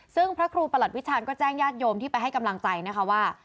ซึ่งพระครูประหลัดวิชาญก็แจ้งญาติโยมที่ไปให้กำลังใจนะคะว่า